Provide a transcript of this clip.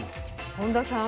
本田さん